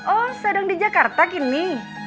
oh sedang di jakarta gini